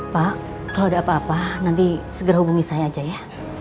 pak kalau ada apa apa nanti segera hubungi saya aja ya